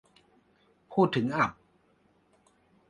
พูดถึงอับ